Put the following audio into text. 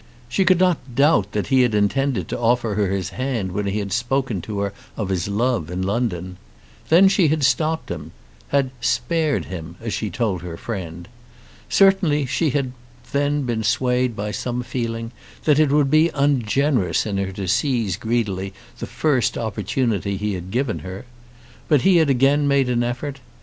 She could not doubt that he had intended to offer her his hand when he had spoken to her of his love in London. Then she had stopped him; had "spared him," as she had told her friend. Certainly she had then been swayed by some feeling that it would be ungenerous in her to seize greedily the first opportunity he had given her. But he had again made an effort.